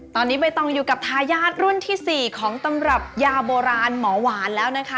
ตอนนี้ใบตองอยู่กับทายาทรุ่นที่๔ของตำรับยาโบราณหมอหวานแล้วนะคะ